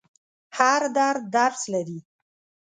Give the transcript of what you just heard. هر درد درس لري.